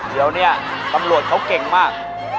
เดี๋ยวเนี่ยตำรวจเขาเก่งมาก